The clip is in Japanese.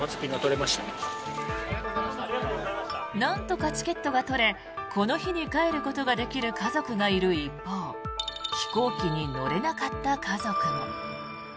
なんとかチケットが取れこの日に帰ることができる家族がいる一方飛行機に乗れなかった家族も。